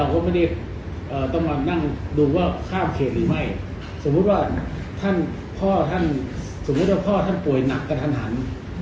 ก็ได้ก็ได้คือว่าถือว่าเราห้ามไม่ให้ออกนอกเขยิถหา